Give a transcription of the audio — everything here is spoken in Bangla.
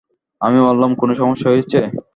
আমি বললাম, কোনো সমস্যা হয়েছে?